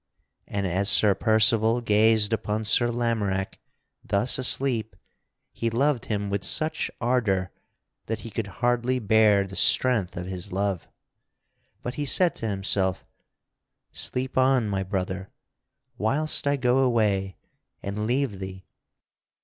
And as Sir Percival gazed upon Sir Lamorack thus asleep, he loved him with such ardor that he could hardly bear the strength of his love. But he said to himself: "Sleep on, my brother, whilst I go away and leave thee.